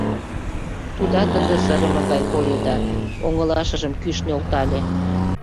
Тудат ынде сырыме гай койо да оҥылашыжым кӱш нӧлтале: